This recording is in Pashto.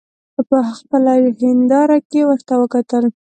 په خپله هینداره کې ورته وکتل.